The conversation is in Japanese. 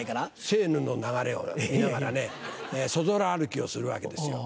セーヌの流れを見ながらねそぞろ歩きをするわけですよ。